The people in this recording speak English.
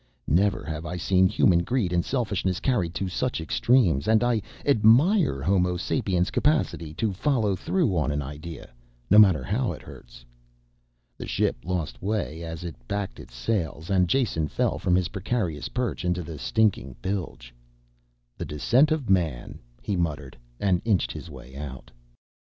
Never have I seen human greed and selfishness carried to such extremes and I admire Homo sapiens' capacity to follow through on an idea, no matter how it hurts." The ship lost way as it backed its sails and Jason fell from his precarious perch into the stinking bilge. "The descent of man," he muttered and inched his way out.